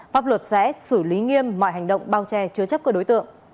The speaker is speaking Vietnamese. pháp luật sẽ xử lý nghiêm mọi hành động bao che chứa chấp của đối tượng